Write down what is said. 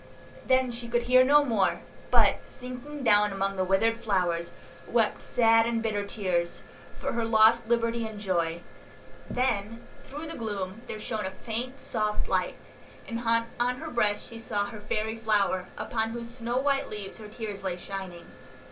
Then she could hear no more, but, sinking down among the withered flowers, wept sad and bitter tears, for her lost liberty and joy; then through the gloom there shone a faint, soft light, and on her breast she saw her fairy flower, upon whose snow white leaves her tears lay shining.